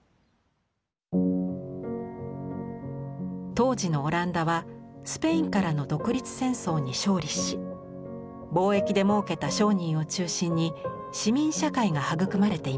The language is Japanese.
当時のオランダはスペインからの独立戦争に勝利し貿易でもうけた商人を中心に市民社会が育まれていました。